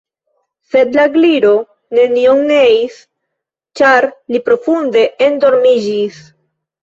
Sed la Gliro nenion neis, ĉar li profunde endormiĝis.